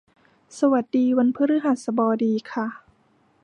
สวัสดีวันพฤหัสบดีค่ะ